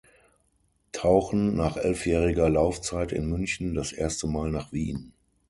Tauchen, nach elfjähriger Laufzeit in München, das erste Mal nach Wien.